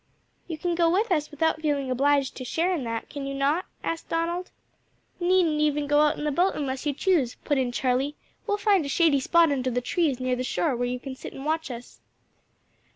"You can go with us without feeling obliged to share in that, can you not?" asked Donald. "Needn't even go out in the boat unless you choose," put in Charlie. "We'll find a shady spot under the trees near the shore where you can sit and watch us."